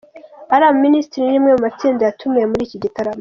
Alarm Ministries ni rimwe mu matsinda yatumiwe muri iki gitaramo.